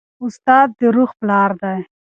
استاد د روح پلار دی.